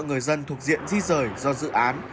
người dân thuộc diện di rời do dự án